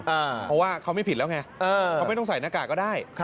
เพราะว่าเขาไม่ผิดแล้วไงเขาไม่ต้องใส่หน้ากากก็ได้